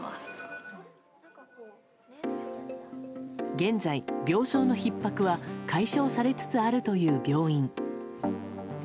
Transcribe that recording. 現在、病床のひっ迫は解消されつつあるという病院。